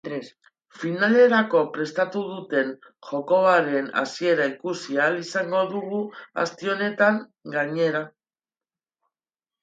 Finalerako prestatu duten jokoaren hasiera ikusi ahal izango dugu aste honetan, gainera.